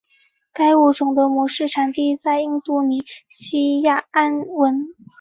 该物种的模式产地在印度尼西亚安汶。